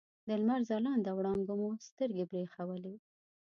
د لمر ځلانده وړانګو مو سترګې برېښولې.